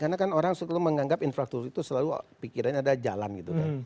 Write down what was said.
karena kan orang selalu menganggap infrastruktur itu selalu pikirannya ada jalan gitu kan